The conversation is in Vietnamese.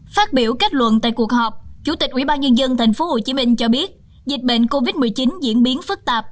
phát biểu kết luận tại cuộc họp chủ tịch ubnd tp hcm cho biết dịch bệnh covid một mươi chín diễn biến phức tạp